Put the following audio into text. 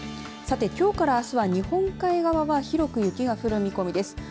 さて、きょうからあすは日本海側広く雪が降る見込みです。